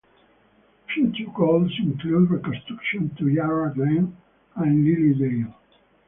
Future goals include reconstruction to Yarra Glen and Lilydale.